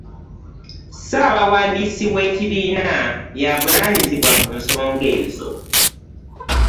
Ssaabawandiisi w'ekibiina y'avunanyizibwa ku nsonga ezo